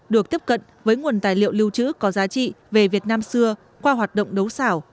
được tiếp cận với nguồn tài liệu lưu trữ có giá trị về việt nam xưa qua hoạt động đấu xảo